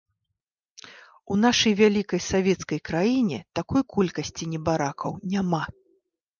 У нашай вялікай савецкай краіне такой колькасці небаракаў няма!